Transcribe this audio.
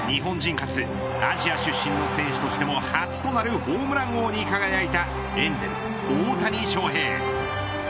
初アジア出身の選手としても初となるホームラン王に輝いたエンゼルス、大谷翔平。